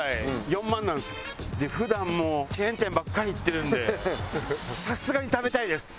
普段もうチェーン店ばっかり行ってるんでさすがに食べたいです。